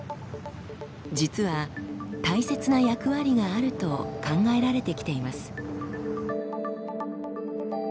実は大切な役割があると考えられてきています。